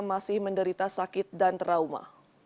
masih menderita sakit dan trauma